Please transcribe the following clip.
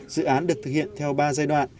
dự án được thực hiện theo ba giai đoạn